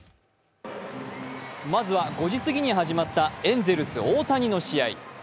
まずは、５時すぎに始まったエンゼルス・大谷の試合。